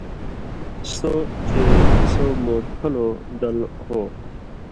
سو چے سو موتھلو دل ہو،